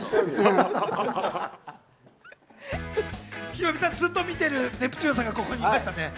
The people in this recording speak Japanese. ヒロミさん、ずっと見てるネプチューンさんがここにいましたね。